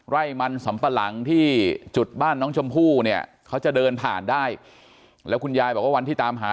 ไร่มันสำปะหลังที่จุดบ้านน้องชมพู่เนี่ยเขาจะเดินผ่านได้แล้วคุณยายบอกว่าวันที่ตามหา